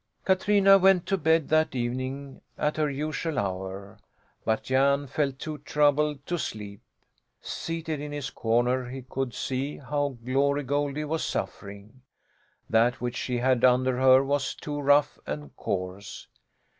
Katrina went to bed that evening at her usual hour, but Jan felt too troubled to sleep. Seated in his corner, he could see how Glory Goldie was suffering. That which she had under her was too rough and coarse.